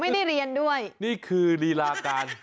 ไม่ได้เรียนด้วยนี่คือลีลาการ